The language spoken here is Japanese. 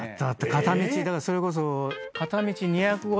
片道だからそれこそ。